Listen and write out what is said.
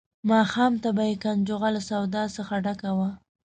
ماښام ته به یې کنجغه له سودا څخه ډکه وه.